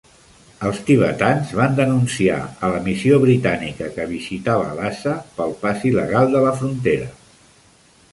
Els tibetans van denunciar a la missió britànica que visitava Lhasa pel pas il·legal de la frontera.